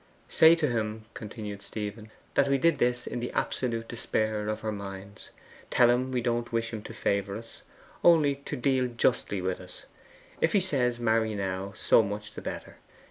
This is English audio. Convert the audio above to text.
'Say to him,' continued Stephen, 'that we did this in the absolute despair of our minds. Tell him we don't wish him to favour us only to deal justly with us. If he says, marry now, so much the better.